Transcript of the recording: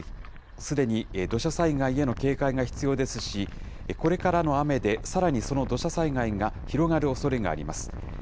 すでに土砂災害への警戒が必要ですし、これからの雨で、さらにその土砂災害が広がるおそれがあります。